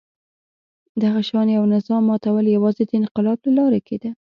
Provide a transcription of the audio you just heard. دغه شان یوه نظام ماتول یوازې د انقلاب له لارې کېده.